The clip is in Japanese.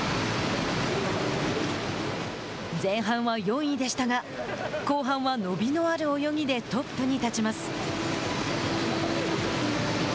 前半は４位でしたが後半は伸びのある泳ぎでトップに立ちます。